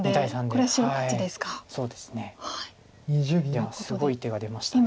でもすごい手が出ました。